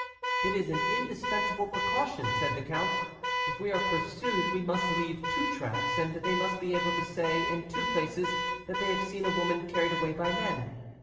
'It is an indispensable precaution,' said the count; 'if we are pursued we must leave two tracks, and they must be able to say in two places that they have seen a woman carried away by men.